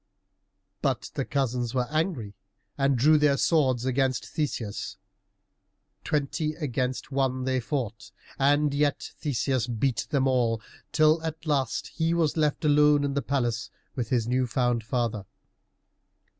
But the cousins were angry and drew their swords against Theseus. Twenty against one they fought, and yet Theseus beat them all, till at last he was left alone in the palace with his new found father.